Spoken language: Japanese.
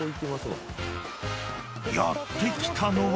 ［やって来たのは］